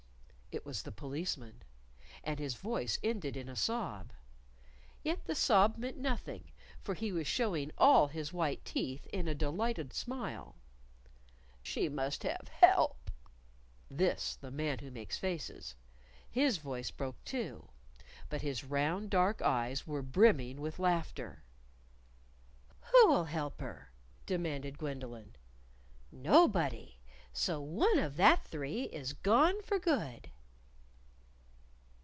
It was the Policeman. And his voice ended in a sob. (Yet the sob meant nothing, for he was showing all his white teeth in a delighted smile.) "She must have help!" this the Man Who Makes Faces. His voice broke, too. But his round, dark eyes were brimming with laughter. "Who'll help her?" demanded Gwendolyn. "Nobody. So one of that three is gone for good!"